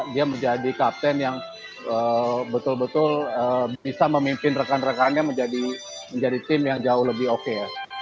dia menjadi kapten yang betul betul bisa memimpin rekan rekannya menjadi tim yang jauh lebih oke ya